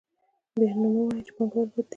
بیا نو مه وایئ چې پانګوال بد دي